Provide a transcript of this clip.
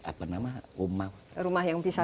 apa nama rumah rumah yang pisah pisah